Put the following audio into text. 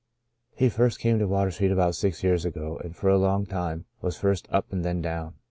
He first came to Water Street about six years ago, and for a long time was first up and then down.